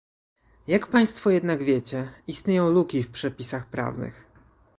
Jak państwo jednak wiecie, istnieją luki w przepisach prawnych